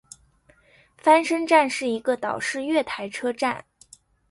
翻身站是一个岛式月台车站。